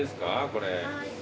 これ。